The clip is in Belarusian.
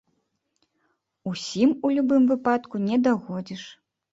Усім, у любым выпадку, не дагодзіш.